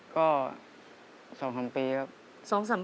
ก็๒๓ปีครับ